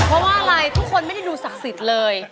เพราะว่าอะไรทุกคนไม่ได้ดูศักดิ์สิทธิ์เลย